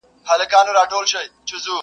دا د پېړیو توپانونو آزمېیلی وطن!.